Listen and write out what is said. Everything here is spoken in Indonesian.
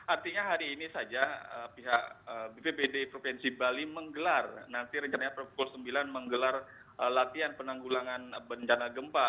artinya hari ini saja pihak bpbd provinsi bali menggelar nanti rencana pukul sembilan menggelar latihan penanggulangan bencana gempa